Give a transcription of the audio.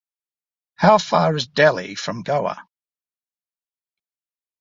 How far is Delhi from Goa?